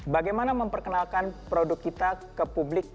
bagaimana memperkenalkan produk kita ke publik